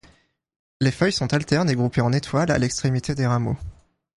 Les feuilles sont alternes et groupées en étoile à l’extrémité des rameaux.